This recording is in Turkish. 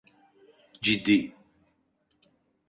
Ciddi.